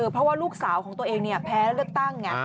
เพราะว่าลูกสาวของตัวเองแพ้เลือกตั้งไง